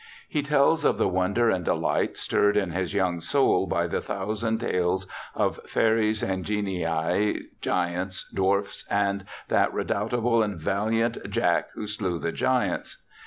He tells of the wonder and deHght stirred in his young soul by the thousand tales of ' fairies and genii, giants, dwarfs, and that redoubtable and valiant Jack who slew the giants